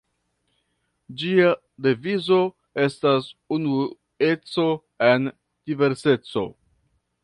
Ĝia devizo estas 'unueco en diverseco.